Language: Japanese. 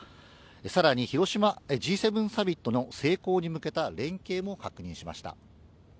さらに、広島Ｇ７サミットの成功に向けた連携も確認しました。